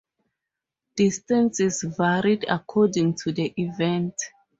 Distances varied according to the event.